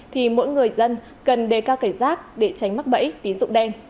thì mỗi người dân cần đề cao cảnh giác để tránh mắc bẫy tín dụng đen